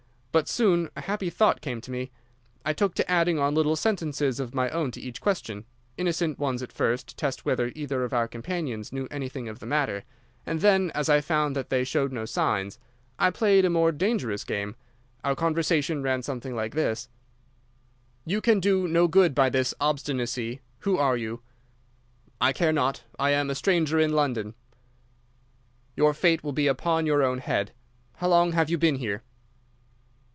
But soon a happy thought came to me. I took to adding on little sentences of my own to each question, innocent ones at first, to test whether either of our companions knew anything of the matter, and then, as I found that they showed no signs I played a more dangerous game. Our conversation ran something like this: "'You can do no good by this obstinacy. Who are you?' "'I care not. I am a stranger in London.' "'Your fate will be upon your own head. _How long have you been here?